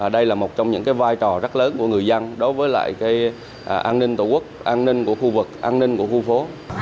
đây là một trong những vai trò rất lớn của người dân đối với lại an ninh tổ quốc an ninh của khu vực an ninh của khu phố